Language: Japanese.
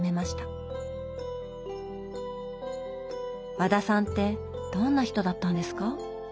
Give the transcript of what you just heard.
和田さんってどんな人だったんですか？